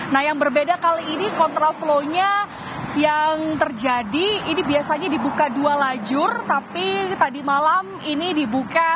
nah yang berbeda kali ini kontraflow nya yang terjadi ini biasanya dibuka dua lajur tapi tadi malam ini dibuka